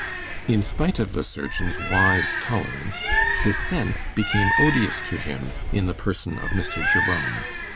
In spite of the surgeon's wise tolerance, Dissent became odious to him in the person of Mr. Jerome.